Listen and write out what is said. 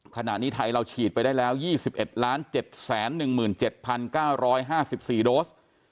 ขณะนี้ไทยเราฉีดไปได้แล้ว๒๑๗๑๗๙๕๔โดส